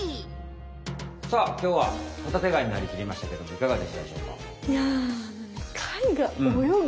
さあきょうはホタテガイになりきりましたけどもいかがでしたでしょうか？